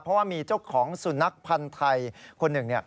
เพราะว่ามีเจ้าของสุนัขพันธ์ไทยคนหนึ่ง